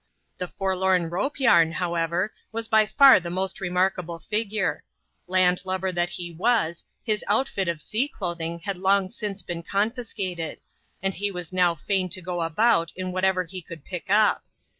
The forlorn Rope Yam, however, was by far the most re lariLable figure. Land lubber that he was, his outfit of sea lothing had long since been confiscated ; and he was now fain 3 go about in whatever he could pick up.